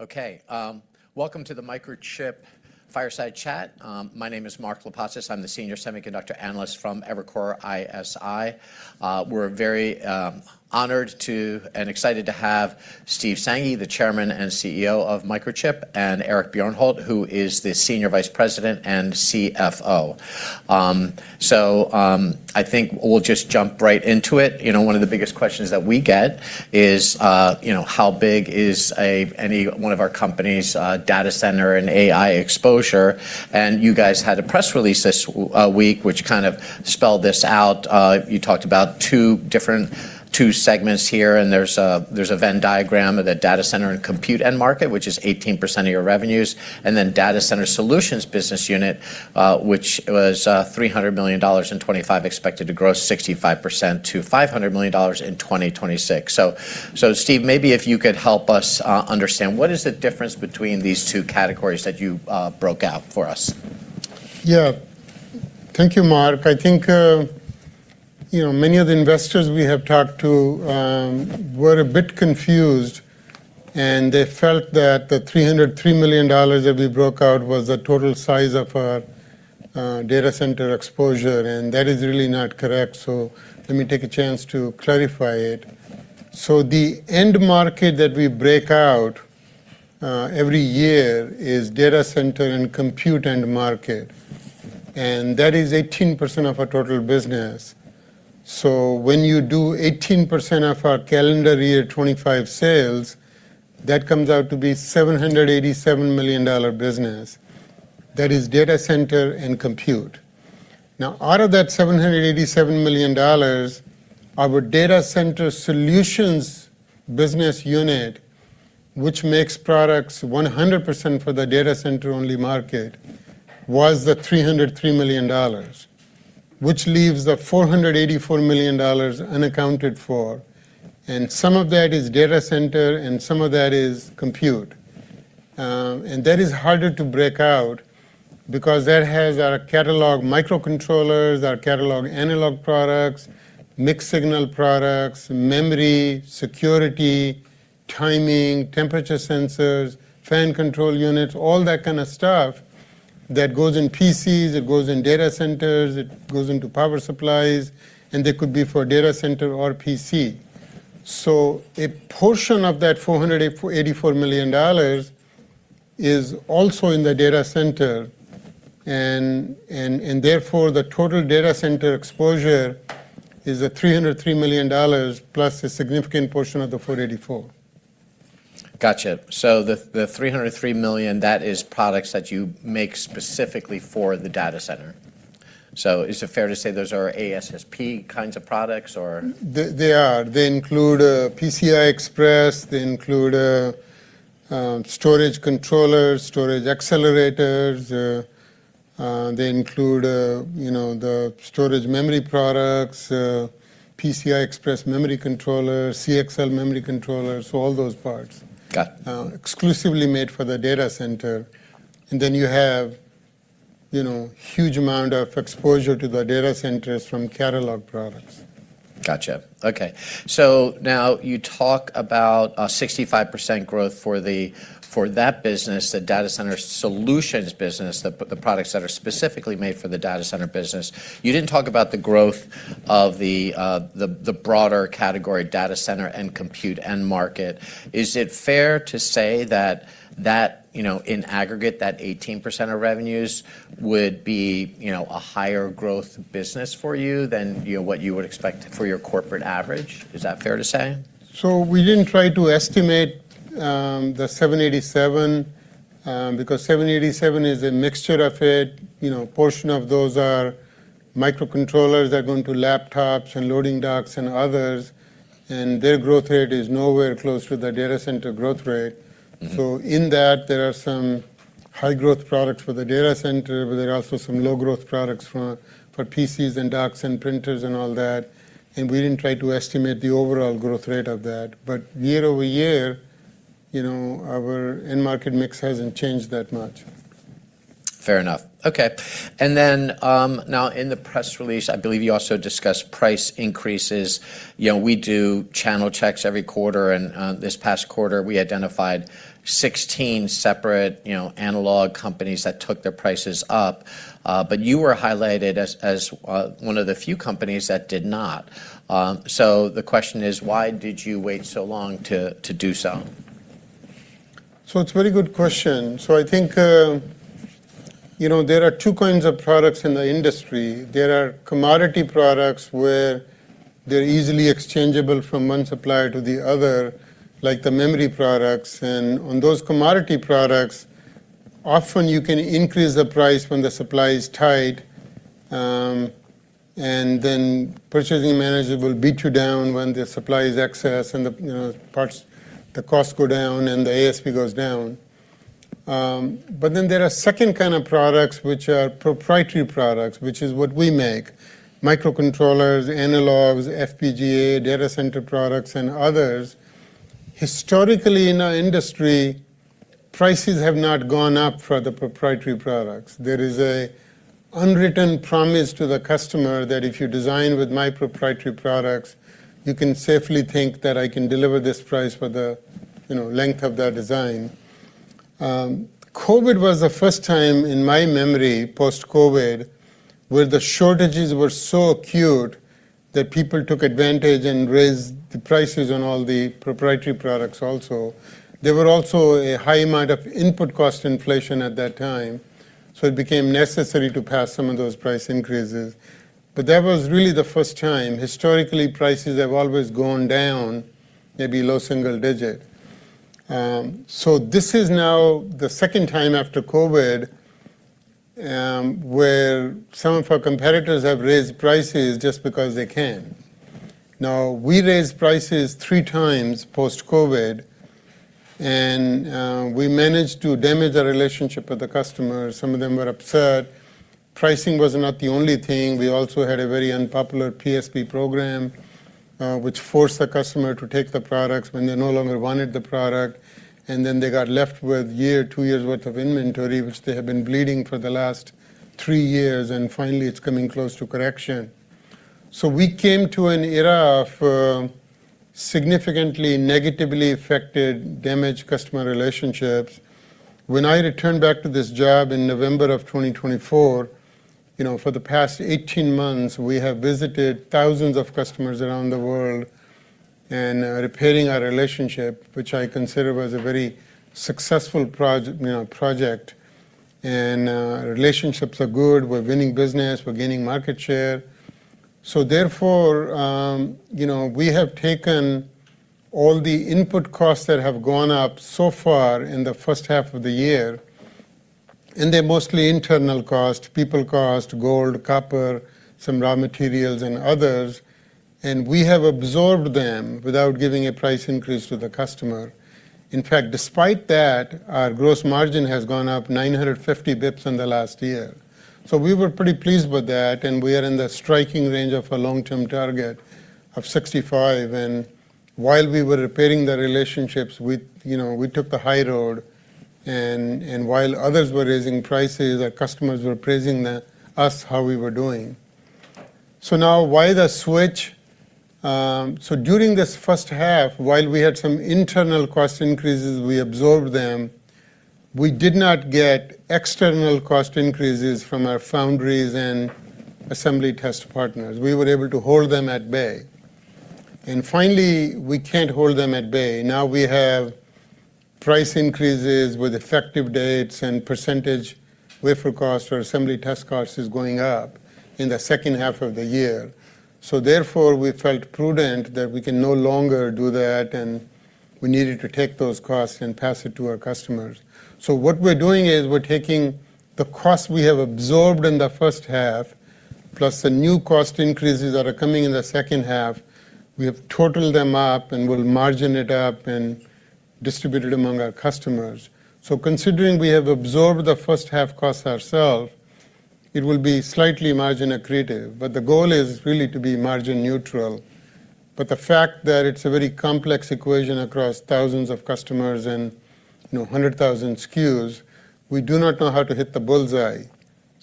Okay. Welcome to the Microchip fireside chat. My name is Mark Lipacis. I'm the senior semiconductor analyst from Evercore ISI. We're very honored and excited to have Steve Sanghi, the Chairman and CEO of Microchip, and Eric Bjornholt, who is the Senior Vice President and CFO. I think we'll just jump right into it. One of the biggest questions that we get is, how big is any one of our company's data center and AI exposure? You guys had a press release this week, which kind of spelled this out. You talked about two different segments here, and there's a Venn diagram of the data center and compute end market, which is 18% of your revenues, and then data center solutions business unit, which was $300 million in 2025, expected to grow 65% to $500 million in 2026. Steve, maybe if you could help us understand, what is the difference between these two categories that you broke out for us? Yeah. Thank you, Mark. I think many of the investors we have talked to were a bit confused, and they felt that the $303 million that we broke out was the total size of our data center exposure, and that is really not correct. Let me take a chance to clarify it. The end market that we break out every year is data center and compute end market, and that is 18% of our total business. When you do 18% of our calendar year 2025 sales, that comes out to be $787 million business. That is data center and compute. Now, out of that $787 million, our data center solutions business unit, which makes products 100% for the data center-only market, was the $303 million, which leaves the $484 million unaccounted for. Some of that is data center, and some of that is compute. That is harder to break out because that has our catalog microcontrollers, our catalog analog products, mixed signal products, memory, security, timing, temperature sensors, fan control units, all that kind of stuff that goes in PCs, it goes in data centers, it goes into power supplies, and they could be for data center or PC. A portion of that $484 million is also in the data center and therefore the total data center exposure is at $303 million plus a significant portion of the $484. Got you. The $303 million, that is products that you make specifically for the data center. Is it fair to say those are ASSP kinds of products or? They are. They include PCI Express, they include storage controllers, storage accelerators. They include the storage memory products, PCI Express memory controllers, CXL memory controllers, all those parts. Got it. Exclusively made for the data center. You have huge amount of exposure to the data centers from catalog products. Got you. Okay. Now you talk about a 65% growth for that business, the data center solutions business, the products that are specifically made for the data center business. You didn't talk about the growth of the broader category data center and compute end market. Is it fair to say that in aggregate, that 18% of revenues would be a higher growth business for you than what you would expect for your corporate average? Is that fair to say? We didn't try to estimate the 787, because 787 is a mixture of it. A portion of those are microcontrollers that are going to laptops and loading docks and others, and their growth rate is nowhere close to the data center growth rate. In that, there are some high-growth products for the data center, but there are also some low-growth products for PCs and docks and printers and all that, and we didn't try to estimate the overall growth rate of that. Year-over-year, our end market mix hasn't changed that much. Fair enough. Okay. Now in the press release, I believe you also discussed price increases. We do channel checks every quarter, and this past quarter, we identified 16 separate analog companies that took their prices up. You were highlighted as one of the few companies that did not. The question is, why did you wait so long to do so? It's a very good question. I think there are two kinds of products in the industry. There are commodity products where they're easily exchangeable from one supplier to the other, like the memory products. On those commodity products, often you can increase the price when the supply is tight, and then purchasing manager will beat you down when the supply is excess and the costs go down, and the ASP goes down. There are second kind of products which are proprietary products, which is what we make: microcontrollers, analogs, FPGA, data center products, and others. Historically, in our industry, prices have not gone up for the proprietary products. There is an unwritten promise to the customer that if you design with my proprietary products, you can safely think that I can deliver this price for the length of that design. COVID was the first time in my memory, post-COVID, where the shortages were so acute that people took advantage and raised the prices on all the proprietary products also. There were also a high amount of input cost inflation at that time, so it became necessary to pass some of those price increases. That was really the first time. Historically, prices have always gone down, maybe low single digit. This is now the second time after COVID, where some of our competitors have raised prices just because they can. Now, we raised prices three times post-COVID, and we managed to damage the relationship with the customer. Some of them were upset. Pricing was not the only thing. We also had a very unpopular PSP program, which forced the customer to take the products when they no longer wanted the product, then they got left with a year, two years' worth of inventory, which they have been bleeding for the last three years, finally, it's coming close to correction. We came to an era of significantly negatively affected, damaged customer relationships. When I returned back to this job in November of 2024, for the past 18 months, we have visited thousands of customers around the world and are repairing our relationship, which I consider was a very successful project. Our relationships are good. We're winning business. We're gaining market share. Therefore, we have taken all the input costs that have gone up so far in the first half of the year, and they're mostly internal cost, people cost, gold, copper, some raw materials, and others, and we have absorbed them without giving a price increase to the customer. In fact, despite that, our gross margin has gone up 950 basis points in the last year. We were pretty pleased with that, and we are in the striking range of a long-term target of 65, and while we were repairing the relationships, we took the high road, and while others were raising prices, our customers were praising us how we were doing. Now why the switch? During this first half, while we had some internal cost increases, we absorbed them. We did not get external cost increases from our foundries and assembly test partners. We were able to hold them at bay. Finally, we can't hold them at bay. Now we have price increases with effective dates and percentage wafer cost or assembly test costs is going up in the second half of the year. Therefore, we felt prudent that we can no longer do that, and we needed to take those costs and pass it to our customers. What we're doing is we're taking the cost we have absorbed in the first half, plus the new cost increases that are coming in the second half. We have totaled them up and we'll margin it up and distribute it among our customers. Considering we have absorbed the first half cost ourselves, it will be slightly margin accretive. The goal is really to be margin neutral. The fact that it's a very complex equation across thousands of customers and 100,000 SKUs, we do not know how to hit the bullseye.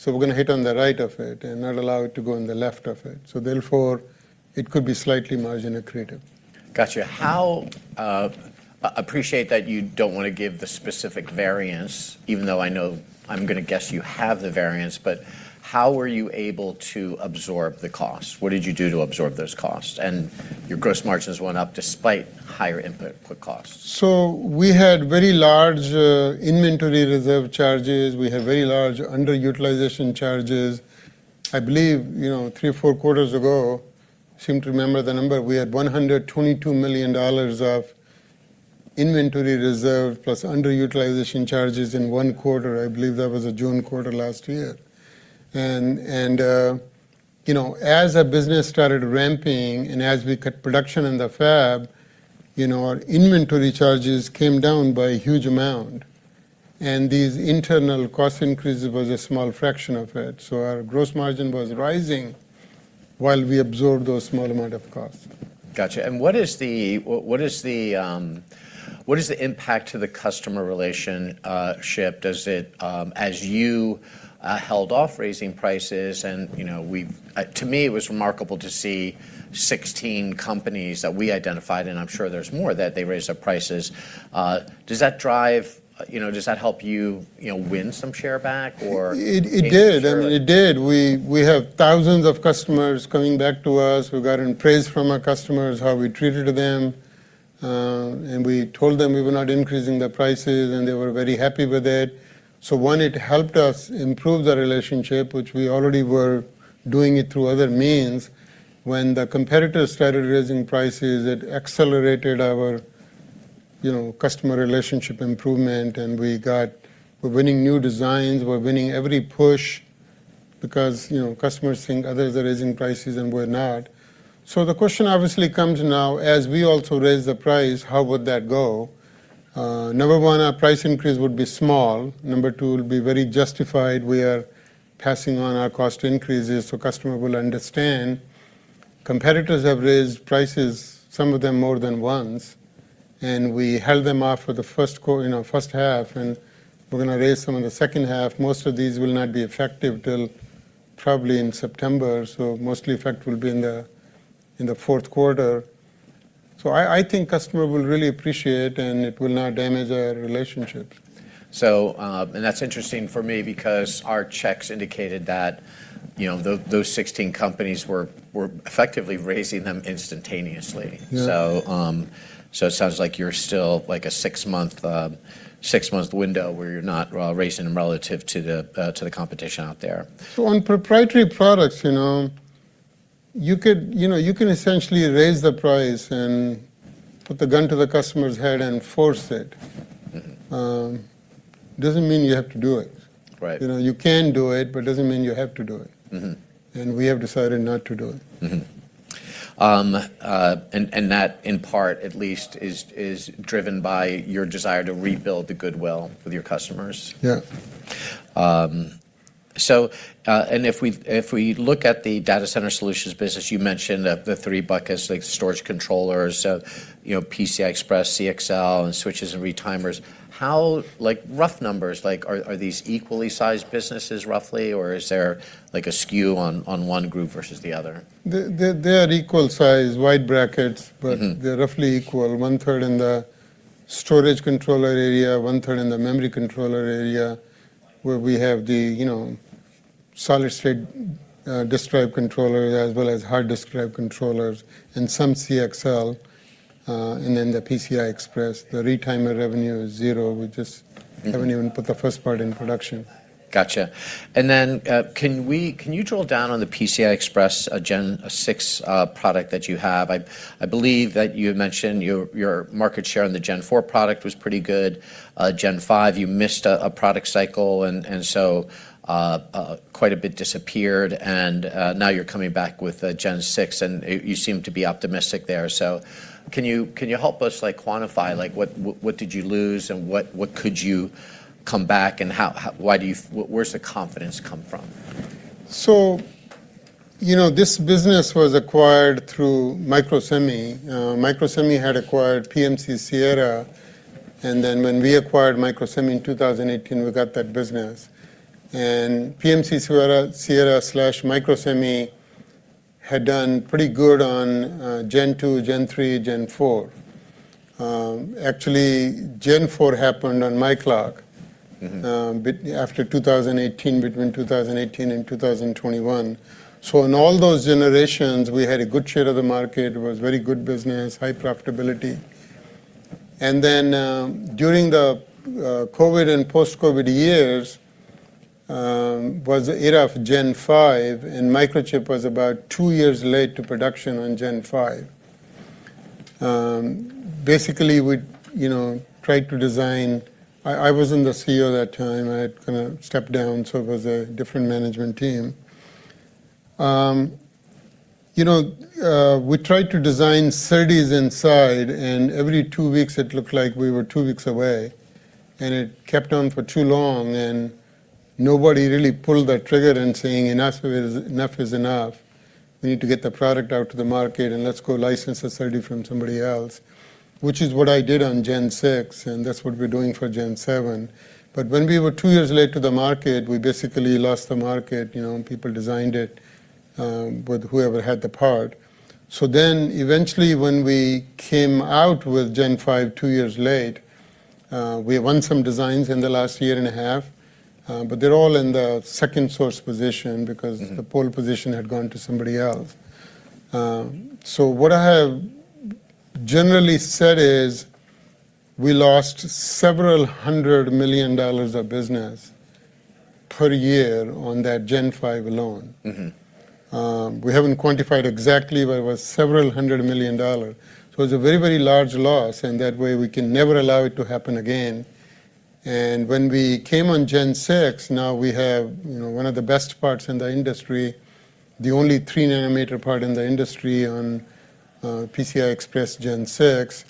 We're going to hit on the right of it and not allow it to go on the left of it. Therefore, it could be slightly margin accretive. Got you. I appreciate that you don't want to give the specific variance, even though I know, I'm going to guess you have the variance, but how were you able to absorb the cost? What did you do to absorb those costs? Your gross margins went up despite higher input costs. We had very large inventory reserve charges. We had very large underutilization charges. I believe, three or four quarters ago, I seem to remember the number, we had $122 million of inventory reserve plus underutilization charges in one quarter. I believe that was the June quarter last year. As our business started ramping and as we cut production in the fab, our inventory charges came down by a huge amount. These internal cost increases was a small fraction of it. Our gross margin was rising while we absorbed those small amount of costs. Got you. What is the impact to the customer relationship? As you held off raising prices and to me, it was remarkable to see 16 companies that we identified, and I'm sure there's more, that they raised their prices. Does that help you win some share back? It did. It did. We have thousands of customers coming back to us. We've gotten praise from our customers, how we treated them. We told them we were not increasing the prices, and they were very happy with it. One, it helped us improve the relationship, which we already were doing it through other means. When the competitors started raising prices, it accelerated our customer relationship improvement, and we're winning new designs. We're winning every push because customers think others are raising prices and we're not. The question obviously comes now as we also raise the price, how would that go? Number one, our price increase would be small. Number two, it will be very justified. We are passing on our cost increases. Customer will understand. Competitors have raised prices, some of them more than once. We held them off in our first half. We're going to raise some in the second half. Most of these will not be effective till probably in September. Mostly effect will be in the fourth quarter. I think customer will really appreciate. It will not damage our relationship. That's interesting for me because our checks indicated that those 16 companies were effectively raising them instantaneously. Yeah. It sounds like you're still like a six-month window where you're not raising them relative to the competition out there. On proprietary products, you can essentially raise the price and put the gun to the customer's head and force it. Doesn't mean you have to do it. Right. You can do it, but it doesn't mean you have to do it. We have decided not to do it. That, in part at least, is driven by your desire to rebuild the goodwill with your customers. Yeah. If we look at the data center solutions business, you mentioned the three buckets, like storage controllers, PCI Express, CXL, and switches and retimers. Rough numbers, are these equally sized businesses, roughly? Is there a skew on one group versus the other? They are equal size, wide brackets. They're roughly equal. One third in the storage controller area, one-third in the memory controller area, where we have the solid state disk drive controller, as well as hard disk drive controllers, and some CXL, and then the PCI Express. The retimer revenue is zero. Haven't even put the first part in production. Got you. Can you drill down on the PCI Express Gen 6 product that you have? I believe that you had mentioned your market share on the Gen 4 product was pretty good. Gen 5, you missed a product cycle, and so quite a bit disappeared. Now you're coming back with Gen 6, and you seem to be optimistic there. Can you help us quantify, what did you lose, and what could you come back, and where's the confidence come from? This business was acquired through Microsemi. Microsemi had acquired PMC-Sierra, and when we acquired Microsemi in 2018, we got that business. PMC-Sierra/Microsemi had done pretty good on Gen 2, Gen 3, Gen 4. Actually, Gen 4 happened on my clock. After 2018, between 2018 and 2021. In all those generations, we had a good share of the market, was very good business, high profitability. During the COVID and post-COVID years, was the era of Gen 5, and Microchip was about two years late to production on Gen 5. Basically, we tried to design. I wasn't the CEO at that time. I'd kind of stepped down, so it was a different management team. We tried to design SerDes inside, and every two weeks it looked like we were two weeks away. It kept on for too long, and nobody really pulled that trigger in saying, "Enough is enough. We need to get the product out to the market, and let's go license a SerDes from somebody else." Which is what I did on Gen 6, and that's what we're doing for Gen 7. When we were two years late to the market, we basically lost the market. People designed it with whoever had the part. Eventually when we came out with Gen 5 two years late, we won some designs in the last year and a half, but they're all in the second source position because the pole position had gone to somebody else. What I have generally said is we lost several hundred million dollars of business per year on that Gen 5 alone. We haven't quantified exactly, but it was several hundred million dollar. It was a very large loss, and that way we can never allow it to happen again. When we came on Gen 6, now we have one of the best parts in the industry, the only 3 nm part in the industry on PCI Express Gen 6.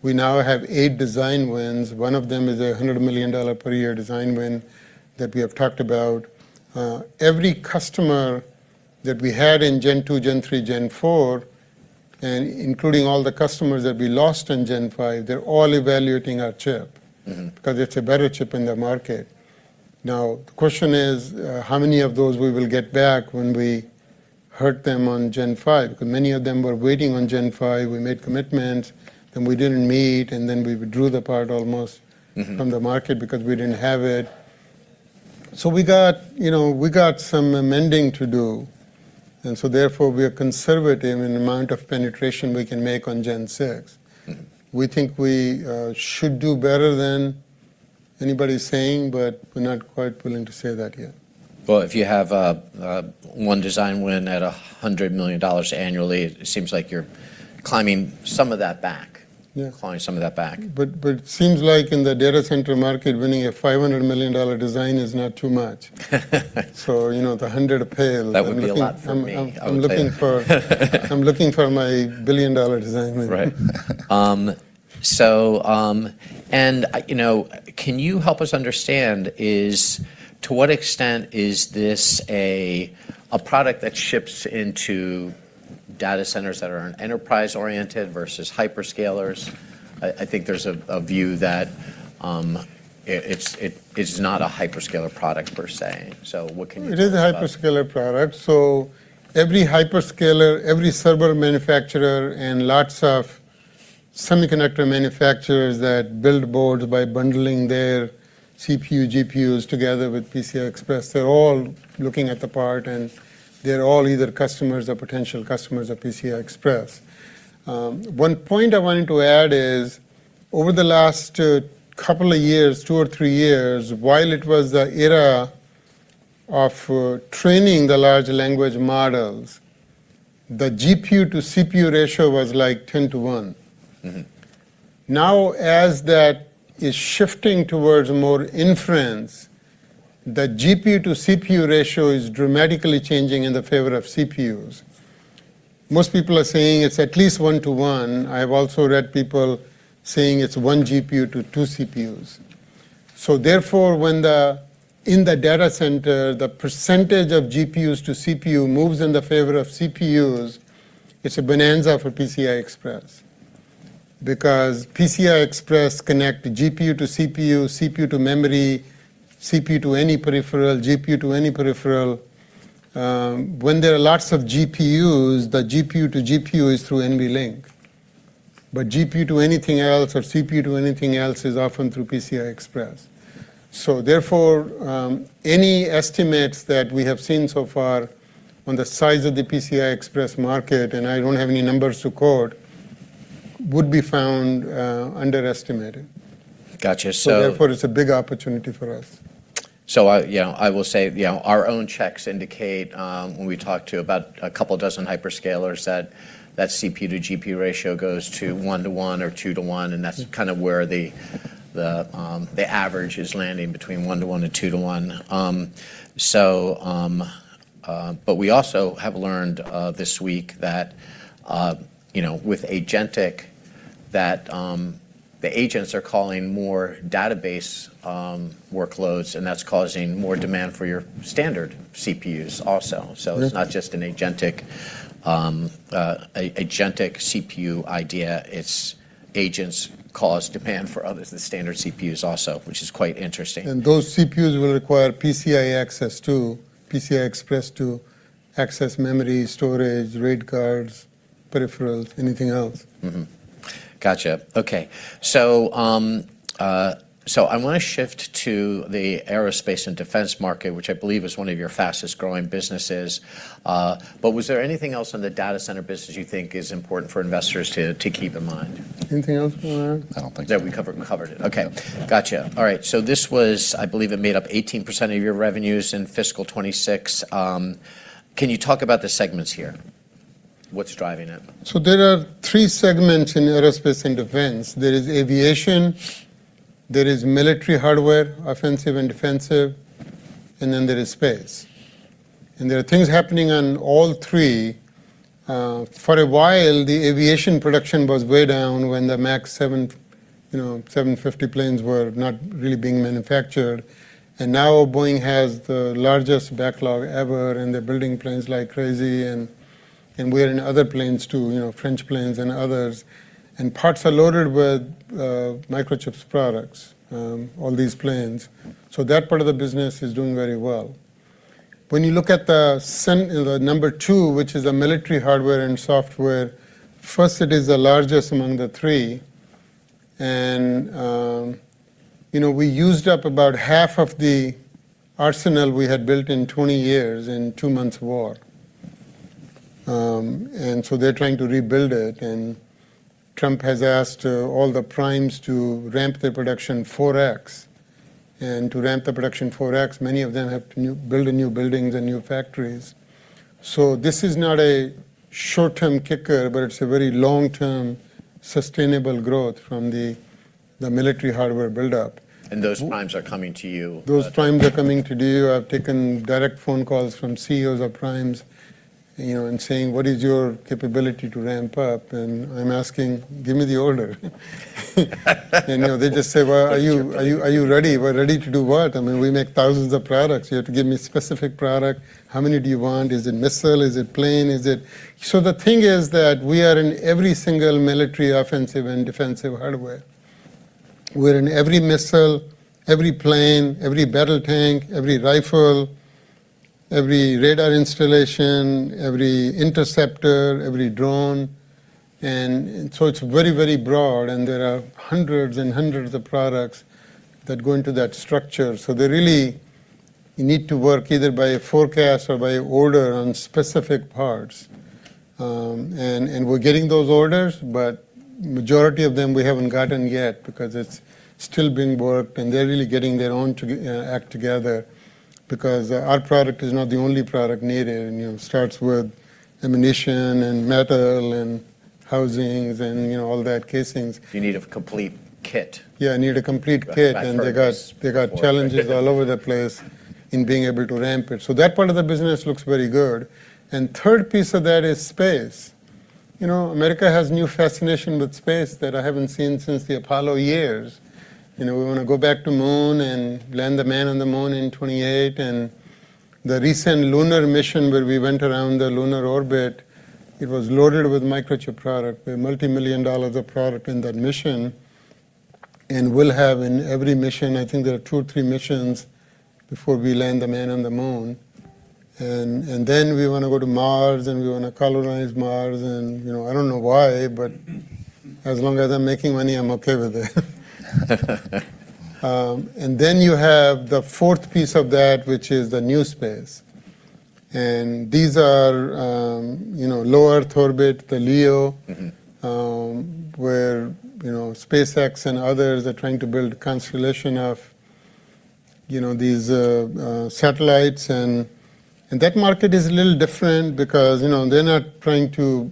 We now have eight design wins. One of them is a $100 million per year design win that we have talked about. Every customer that we had in Gen 2, Gen 3, Gen 4, and including all the customers that we lost in Gen 5, they're all evaluating our chip. Because it's a better chip in the market. Now, the question is, how many of those we will get back when we hurt them on Gen 5? Because many of them were waiting on Gen 5. We made commitments that we didn't meet, we withdrew the part. From the market because we didn't have it. We got some amending to do, and so therefore we are conservative in the amount of penetration we can make on Gen 6. We think we should do better than anybody's saying, but we're not quite willing to say that yet. Well, if you have one design win at $100 million annually, it seems like you're climbing some of that back. Yeah. Climbing some of that back. It seems like in the data center market, winning a $500 million design is not too much. That would be a lot for me. I would pale. I'm looking for my billion-dollar design win. Right. Can you help us understand, to what extent is this a product that ships into data centers that are enterprise-oriented versus hyperscalers? I think there's a view that it is not a hyperscaler product per se. What can you tell us about. It is a hyperscaler product. Every hyperscaler, every server manufacturer, and lots of semiconductor manufacturers that build boards by bundling their CPU, GPUs together with PCI Express, they're all looking at the part, and they're all either customers or potential customers of PCI Express. One point I wanted to add is, over the last two couple of years, two or three years, while it was the era of training the large language models, the GPU to CPU ratio was like 10:1. As that is shifting towards more inference, the GPU to CPU ratio is dramatically changing in the favor of CPUs. Most people are saying it's at least 1:1. I've also read people saying it's one GPU to two CPUs. Therefore, when in the data center, the percentage of GPUs to CPU moves in the favor of CPUs, it's a bonanza for PCI Express because PCI Express connect GPU to CPU to memory, CPU to any peripheral, GPU to any peripheral. When there are lots of GPUs, the GPU to GPU is through NVLink. GPU to anything else or CPU to anything else is often through PCI Express. Therefore, any estimates that we have seen so far on the size of the PCI Express market, and I don't have any numbers to quote, would be found underestimated. Got you. Therefore, it's a big opportunity for us. I will say, our own checks indicate, when we talked to about a couple dozen hyperscalers, that CPU to GPU ratio goes to 1:1 or 2:1, and that's kind of where the average is landing, between 1:1 and 2:1. We also have learned, this week that, with agentic, that the agents are calling more database workloads, and that's causing more demand for your standard CPUs also. It's not just an agentic CPU idea, it's agents cause demand for others, the standard CPUs also, which is quite interesting. Those CPUs will require PCI Express to access memory, storage, RAID cards, peripherals, anything else. Got you. Okay. I want to shift to the aerospace and defense market, which I believe is one of your fastest-growing businesses. Was there anything else on the data center business you think is important for investors to keep in mind? Anything else on there? I don't think so. That we covered. We covered it. Okay. Got you. All right. This was, I believe, it made up 18% of your revenues in fiscal 2026. Can you talk about the segments here? What's driving it? There are three segments in aerospace and defense. There is aviation, there is military hardware, offensive and defensive, there is space. There are things happening on all three. For a while, the aviation production was way down when the MAX 750 planes were not really being manufactured. Now Boeing has the largest backlog ever, and they're building planes like crazy. We're in other planes, too, French planes and others. Parts are loaded with Microchip's products, all these planes. That part of the business is doing very well. When you look at the number two, which is the military hardware and software, first, it is the largest among the three. We used up about half of the arsenal we had built in 20 years in two months of war. They're trying to rebuild it, and Trump has asked all the primes to ramp their production 4x. To ramp the production 4x, many of them have to build new buildings and new factories. This is not a short-term kicker, but it's a very long-term sustainable growth from the military hardware buildup. Those primes are coming to you. Those primes are coming to you. I've taken direct phone calls from CEOs of primes, saying, "What is your capability to ramp up?" I'm asking, "Give me the order." They just say, "Well, are you ready?" We're ready to do what? We make thousands of products. You have to give me specific product. How many do you want? Is it missile? Is it plane? So the thing is that we are in every single military offensive and defensive hardware. We're in every missile, every plane, every battle tank, every rifle, every radar installation, every interceptor, every drone. It's very broad. There are hundreds and hundreds of products that go into that structure. They really need to work either by a forecast or by order on specific parts. We're getting those orders, but majority of them we haven't gotten yet because it's still being worked, and they're really getting their own act together because our product is not the only product needed. It starts with ammunition and metal and housings and all that, casings. You need a complete kit. Yeah, need a complete kit. That furnace. They got challenges all over the place in being able to ramp it. That part of the business looks very good. Third piece of that is space. America has new fascination with space that I haven't seen since the Apollo years. We want to go back to moon and land a man on the moon in 2028. The recent lunar mission where we went around the lunar orbit, it was loaded with Microchip product. We have multimillion dollars of product in that mission. We'll have in every mission, I think there are two or three missions before we land a man on the Moon. Then we want to go to Mars, and we want to colonize Mars. I don't know why, but as long as I'm making money, I'm okay with it. You have the fourth piece of that, which is the new space. These are low Earth orbit, the LEO. Where SpaceX and others are trying to build a constellation of these satellites. That market is a little different because they're not trying to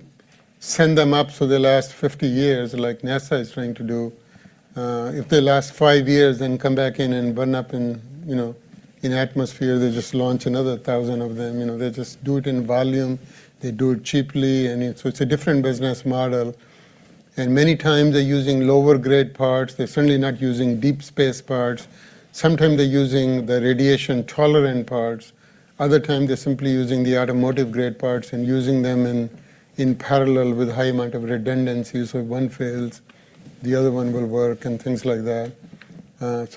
send them up for the last 50 years like NASA is trying to do. If they last five years, then come back in and burn up in atmosphere, they just launch another thousand of them. They just do it in volume. They do it cheaply. It's a different business model. Many times they're using lower-grade parts. They're certainly not using deep space parts. Sometimes they're using the radiation-tolerant parts. Other times they're simply using the automotive-grade parts and using them in parallel with high amount of redundancy. If one fails, the other one will work, and things like that.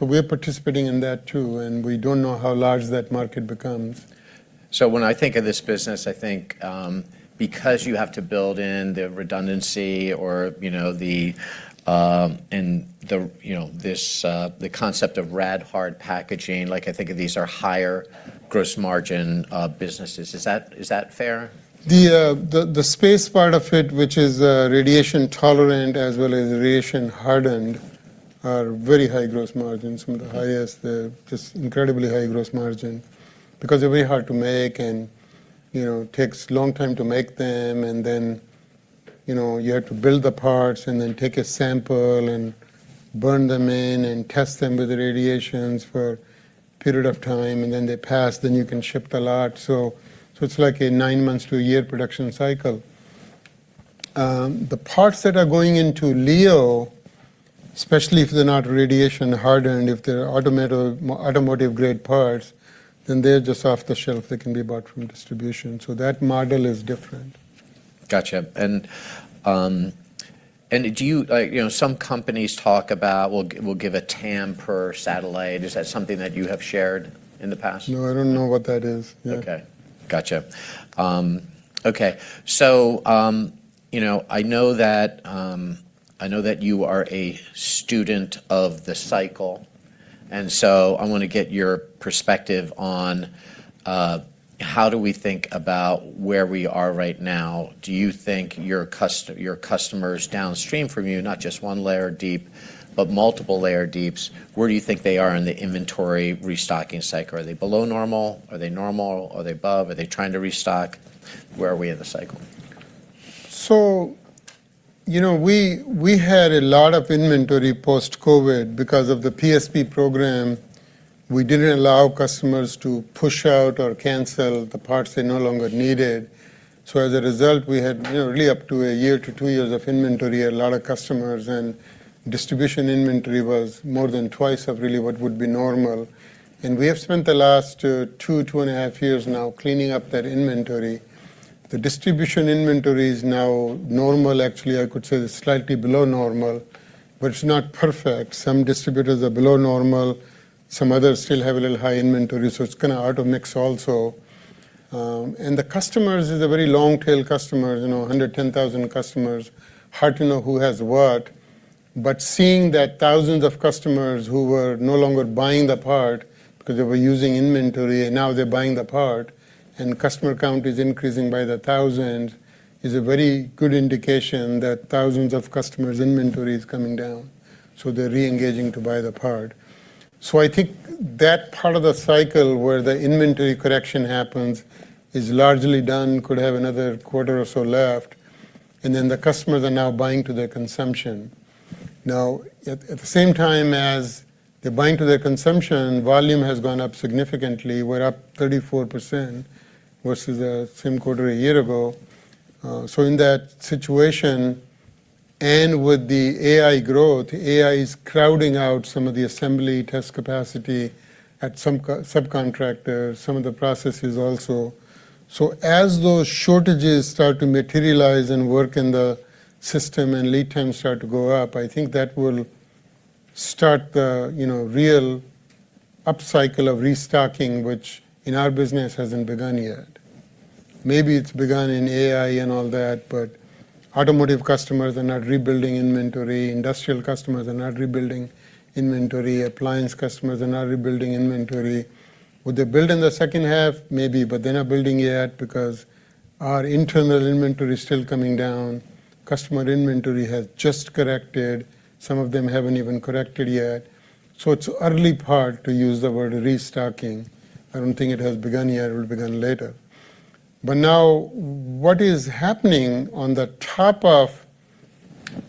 We are participating in that too, and we don't know how large that market becomes. When I think of this business, because you have to build in the redundancy or the concept of rad hard packaging, I think of these are higher gross margin businesses. Is that fair? The space part of it, which is radiation tolerant as well as radiation hardened, are very high gross margins. Some of the highest. They're just incredibly high gross margin because they're very hard to make and takes a long time to make them. Then you have to build the parts and then take a sample and burn them in and test them with radiations for a period of time, and then they pass, then you can ship the lot. It's like a nine months to one year production cycle. The parts that are going into LEO, especially if they're not radiation hardened, if they're automotive-grade parts, then they're just off the shelf. They can be bought from distribution. That model is different. Got you. Some companies talk about, "We'll give a TAM per satellite." Is that something that you have shared in the past? No, I don't know what that is. Yeah. Okay. Got you. Okay. I know that you are a student of the cycle. I want to get your perspective on how do we think about where we are right now. Do you think your customers downstream from you, not just one layer deep, but multiple layer deeps, where do you think they are in the inventory restocking cycle? Are they below normal? Are they normal? Are they above? Are they trying to restock? Where are we in the cycle? We had a lot of inventory post-COVID because of the PSP program. We didn't allow customers to push out or cancel the parts they no longer needed. As a result, we had really up to one year to two years of inventory. A lot of customers and distribution inventory was more than twice of really what would be normal. We have spent the last two, two and a half years now cleaning up that inventory. The distribution inventory is now normal. Actually, I could say it's slightly below normal, but it's not perfect. Some distributors are below normal, some others still have a little high inventory, so it's kind of out of mix also. The customers is a very long-tail customers, 110,000 customers. Hard to know who has what, seeing that thousands of customers who were no longer buying the part because they were using inventory and now they're buying the part and customer count is increasing by the thousand, is a very good indication that thousands of customers' inventory is coming down. They're reengaging to buy the part. I think that part of the cycle where the inventory correction happens is largely done, could have another quarter or so left, and then the customers are now buying to their consumption. Now, at the same time as they're buying to their consumption, volume has gone up significantly. We're up 34% versus the same quarter a year ago. In that situation, and with the AI growth, AI is crowding out some of the assembly test capacity at some subcontractor, some of the processes also. As those shortages start to materialize and work in the system and lead times start to go up, I think that will start the real upcycle of restocking, which in our business hasn't begun yet. Maybe it's begun in AI and all that, automotive customers are not rebuilding inventory. Industrial customers are not rebuilding inventory. Appliance customers are not rebuilding inventory. Would they build in the second half? Maybe, they're not building yet because our internal inventory is still coming down. Customer inventory has just corrected. Some of them haven't even corrected yet. It's early part to use the word restocking. I don't think it has begun yet. It will begin later. Now what is happening on the top of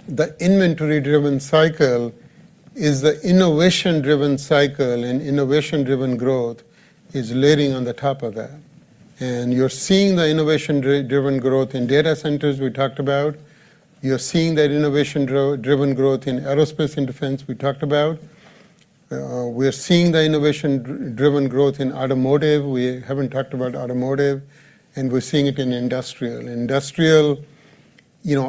the inventory-driven cycle is the innovation-driven cycle, and innovation-driven growth is layering on the top of that. You're seeing the innovation-driven growth in data centers, we talked about. You're seeing that innovation-driven growth in aerospace and defense, we talked about. We're seeing the innovation-driven growth in automotive. We haven't talked about automotive, and we're seeing it in industrial. Industrial,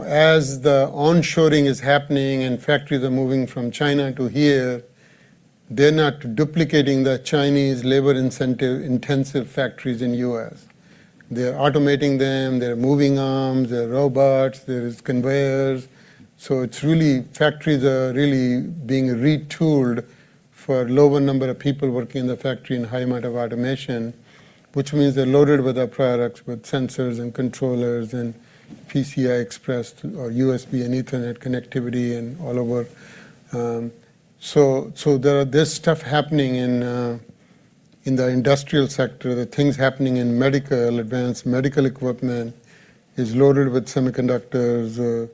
as the on-shoring is happening and factories are moving from China to here, they're not duplicating the Chinese labor-intensive factories in U.S. They're automating them. There are moving arms. There are robots. There is conveyors. Factories are really being retooled for lower number of people working in the factory and high amount of automation, which means they're loaded with our products, with sensors and controllers and PCI Express or USB and Ethernet connectivity and all over. There are this stuff happening in the industrial sector. There are things happening in medical. Advanced medical equipment is loaded with semiconductors,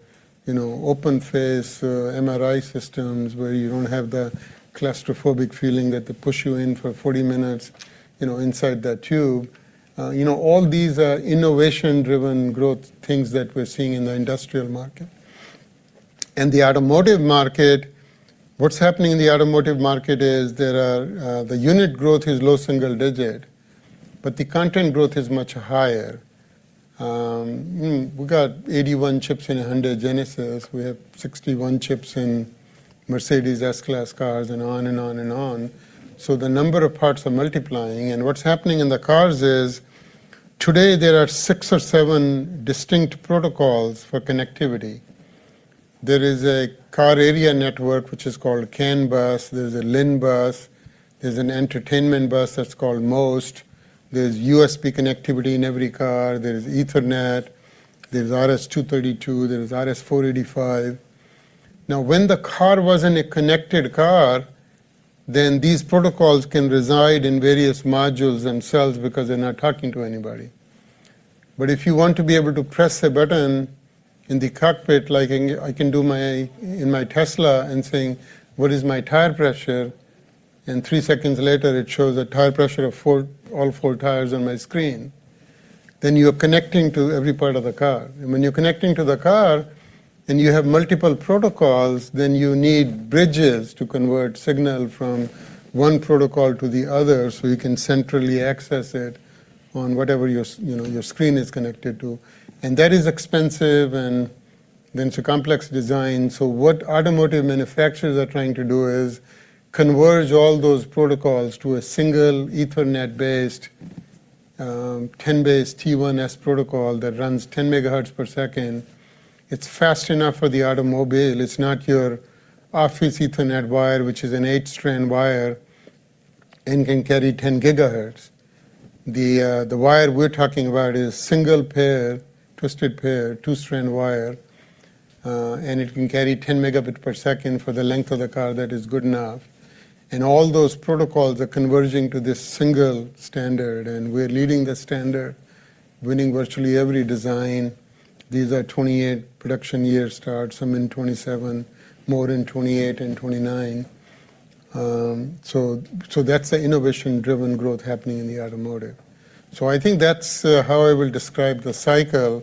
open-face MRI systems where you don't have the claustrophobic feeling that they push you in for 40 minutes inside that tube. All these are innovation-driven growth things that we're seeing in the industrial market. The automotive market, what's happening in the automotive market is the unit growth is low single digit, but the content growth is much higher. We got 81 chips in a Hyundai Genesis. We have 61 chips in Mercedes S-Class cars and on and on and on. The number of parts are multiplying, and what's happening in the cars is today there are six or seven distinct protocols for connectivity. There is a Controller Area Network which is called CAN bus. There's a LIN bus. There's an entertainment bus that's called MOST. There's USB connectivity in every car. There's Ethernet. There's RS-232. There's RS-485. When the car wasn't a connected car, then these protocols can reside in various modules themselves because they're not talking to anybody. If you want to be able to press a button in the cockpit, like I can do in my Tesla and saying, "What is my tire pressure?" Three seconds later it shows a tire pressure of all four tires on my screen. You're connecting to every part of the car. When you're connecting to the car and you have multiple protocols, then you need bridges to convert signal from one protocol to the other so you can centrally access it on whatever your screen is connected to. That is expensive and then it's a complex design. What automotive manufacturers are trying to do is converge all those protocols to a single Ethernet-based 10BASE-T1S protocol that runs 10 MHz per second. It's fast enough for the automobile. It's not your office Ethernet wire which is an eight-strand wire and can carry 10 gigabit. The wire we're talking about is single-pair, twisted pair, two-strand wire, and it can carry 10 Mb per second for the length of the car. That is good enough. All those protocols are converging to this single standard and we're leading the standard, winning virtually every design. These are 2028 production year starts, some in 2027, more in 2028 and 2029. That's the innovation-driven growth happening in the automotive. I think that's how I will describe the cycle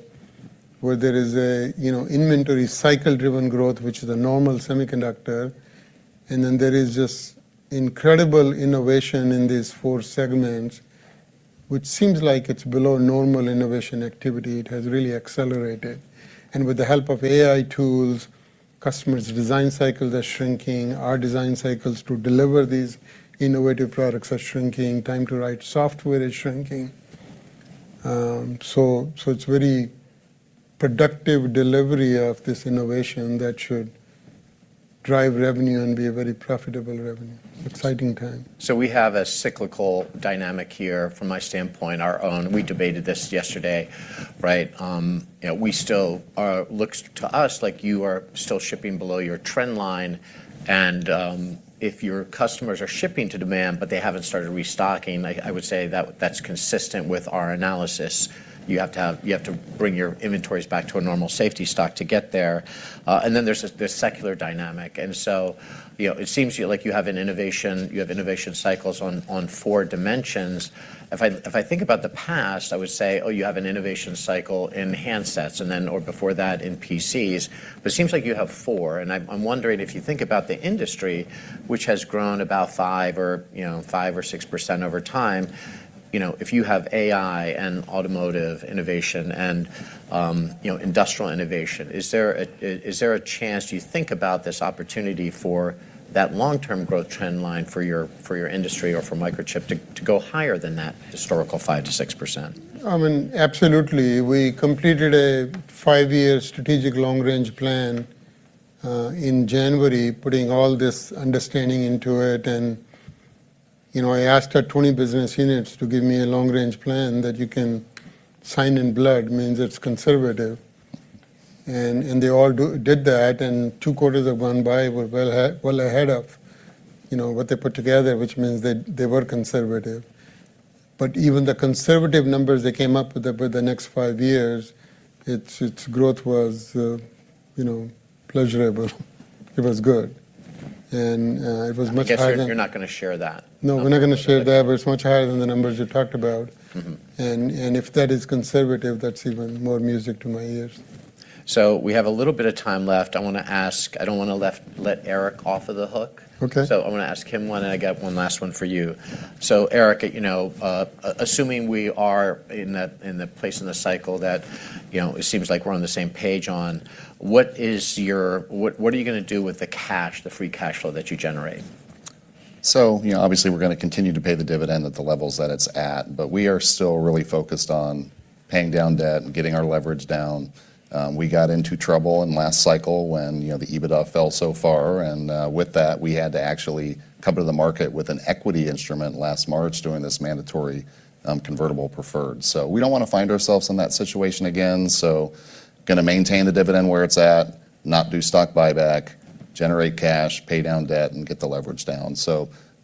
where there is inventory cycle-driven growth which is a normal semiconductor and then there is just incredible innovation in these four segments which seems like it's below normal innovation activity. It has really accelerated. With the help of AI tools, customers' design cycles are shrinking. Our design cycles to deliver these innovative products are shrinking. Time to write software is shrinking. It's very productive delivery of this innovation that should drive revenue and be a very profitable revenue. Exciting time. We have a cyclical dynamic here from my standpoint, our own. We debated this yesterday, right? Looks to us like you are still shipping below your trend line and if your customers are shipping to demand but they haven't started restocking, I would say that's consistent with our analysis. You have to bring your inventories back to a normal safety stock to get there. Then there's this secular dynamic and so it seems like you have innovation cycles on four dimensions. If I think about the past, I would say, oh, you have an innovation cycle in handsets and then, or before that in PCs. It seems like you have four and I'm wondering if you think about the industry which has grown about 5% or 6% over time, if you have AI and automotive innovation and industrial innovation, is there a chance, do you think about this opportunity for that long-term growth trend line for your industry or for Microchip to go higher than that historical 5%-6%? I mean, absolutely. We completed a five-year strategic long-range plan in January putting all this understanding into it and I asked our 20 business units to give me a long-range plan that you can sign in blood means it's conservative. They all did that, and two quarters have gone by. We're well ahead of what they put together, which means that they were conservative. Even the conservative numbers they came up with for the next five years, its growth was pleasurable. It was good. It was much higher than. I guess you're not going to share that. No, we're not going to share that. It's much higher than the numbers you talked about. If that is conservative, that's even more music to my ears. We have a little bit of time left. I don't want to let Eric off of the hook. Okay. I want to ask him one, and I got one last one for you. Eric, assuming we are in the place in the cycle that it seems like we're on the same page on, what are you going to do with the cash, the free cash flow that you generate? Obviously, we're going to continue to pay the dividend at the levels that it's at, but we are still really focused on paying down debt and getting our leverage down. We got into trouble in last cycle when the EBITDA fell so far, and with that, we had to actually come to the market with an equity instrument last March during this mandatory convertible preferred. We don't want to find ourselves in that situation again, so going to maintain the dividend where it's at, not do stock buyback, generate cash, pay down debt, and get the leverage down.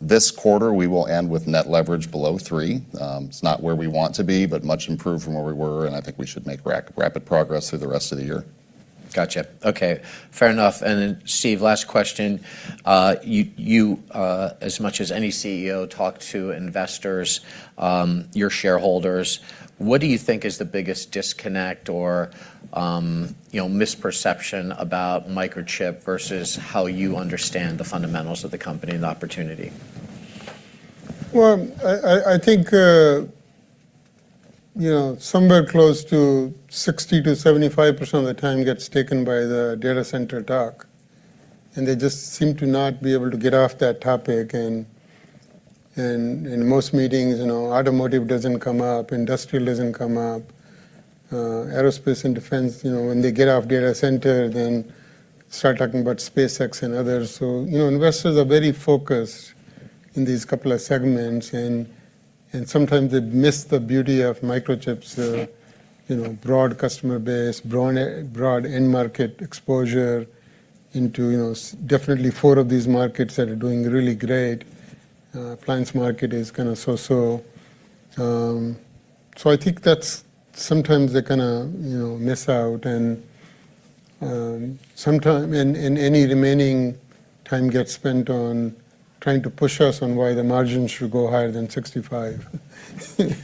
This quarter, we will end with net leverage below three. It's not where we want to be, but much improved from where we were, and I think we should make rapid progress through the rest of the year. Got you. Okay. Fair enough. Steve, last question. You, as much as any CEO, talk to investors, your shareholders. What do you think is the biggest disconnect or misperception about Microchip versus how you understand the fundamentals of the company and the opportunity? I think, somewhere close to 60%-75% of the time gets taken by the data center talk, and they just seem to not be able to get off that topic. In most meetings, automotive doesn't come up, industrial doesn't come up. Aerospace and defense, when they get off data center, then start talking about SpaceX and others. Investors are very focused in these couple of segments and sometimes they miss the beauty of Microchip's broad customer base, broad end market exposure into definitely four of these markets that are doing really great. Clients market is kind of so-so. I think that's sometimes they kind of miss out and any remaining time gets spent on trying to push us on why the margins should go higher than 65%.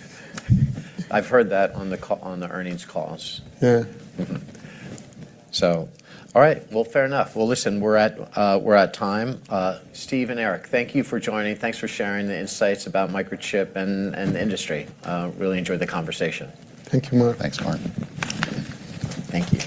I've heard that on the earnings calls. Yeah. All right. Well, fair enough. Well, listen, we're at time. Steve and Eric, thank you for joining. Thanks for sharing the insights about Microchip and the industry. Really enjoyed the conversation. Thank you, Mark. Thanks, Mark. Thank you.